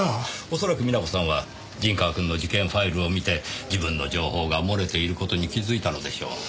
恐らく美奈子さんは陣川くんの事件ファイルを見て自分の情報が漏れている事に気づいたのでしょう。